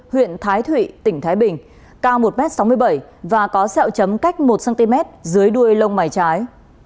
huyện thái thụy tỉnh thái bình cao một m sáu mươi bảy và có sẹo chấm cách một cm dưới đuôi lông mày trái